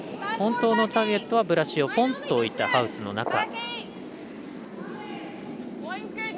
本当のターゲットはブラシをポンと置いたハウスの中。